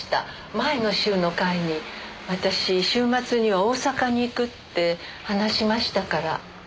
前の週の会に私週末には大阪に行くって話しましたから。